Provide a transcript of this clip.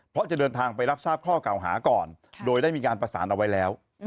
เพราะจะเดินทางไปรับทราบข้อเก่าหาก่อนโดยได้มีการประสานเอาไว้แล้ว